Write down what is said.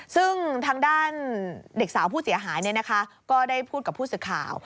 ซึ่งทางด้านเด็กสาวผู้เสียหายก็ได้พูดกับผู้สื่อข่าว